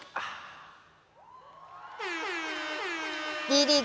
Ｄリーグ